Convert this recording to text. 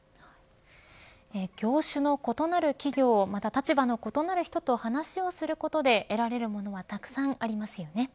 業種の異なる企業、また立場の異なる人と話をすることで得られるものはたくさんありますよね。